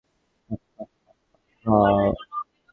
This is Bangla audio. হা হা হা হা।